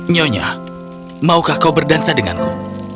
nyonya maukah kau berdansa denganku